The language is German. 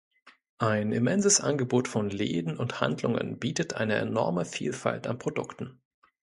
Ein immenses Angebot von Läden und Handlungen bietet eine enorme Vielfalt an Produkten.